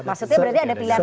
maksudnya berarti ada pilihan